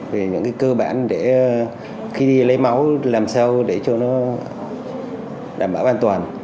về những cơ bản để khi lấy máu làm sao để cho nó đảm bảo an toàn